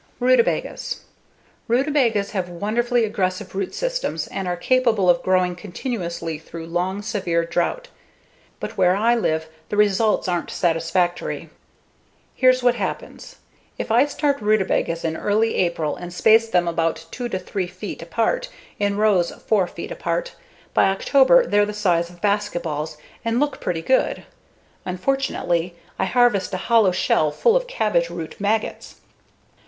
Rutabagas Rutabagas have wonderfully aggressive root systems and are capable of growing continuously through long, severe drought. But where I live, the results aren't satisfactory. Here's what happens. If I start rutabagas in early April and space them about 2 to 3 feet apart in rows 4 feet apart, by October they're the size of basketballs and look pretty good; unfortunately, I harvest a hollow shell full of cabbage root maggots.